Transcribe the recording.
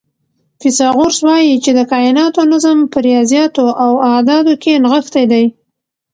فیثاغورث وایي چې د کائناتو نظم په ریاضیاتو او اعدادو کې نغښتی دی.